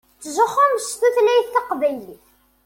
Ttzuxxunt s tutlayt taqbaylit.